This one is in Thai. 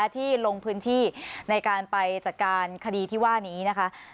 ที่ลงพื้นที่ในการไปจัดการคดีที่ว่านี้นะคะ